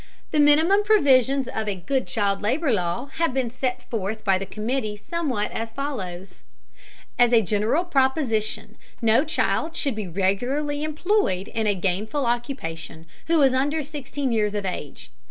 The minimum provisions of a good child labor law have been set forth by the committee somewhat as follows: As a general proposition, no child should be regularly employed in a gainful occupation who is under sixteen years of age.